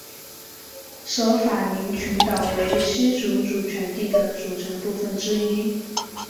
舍法林群岛为西属主权地的组成部分之一。